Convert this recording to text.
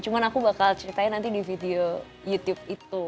cuma aku bakal ceritain nanti di video youtube itu